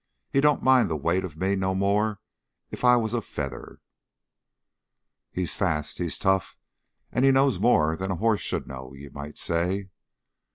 He don't mind the weight of me no more'n if I was a feather. He's fast, he's tough, and he knows more'n a hoss should know, you might say!"